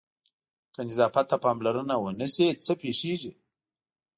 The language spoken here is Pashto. که نظافت ته پاملرنه ونه شي څه پېښېږي؟